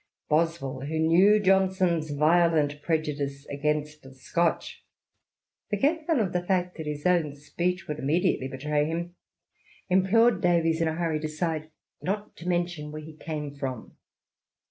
'' Boswell, who knew Johnson's violent prejudice against the Scotch, forgetful of the fact that hi? own speech would xxiv INTRODUCTION. immediately betray him, implored Davies, in a hurried aside^ not to mention where he came from.